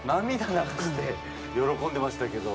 流して喜んでましたけど。